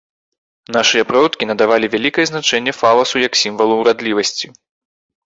Нашыя продкі надавалі вялікае значэнне фаласу як сімвалу ўрадлівасці.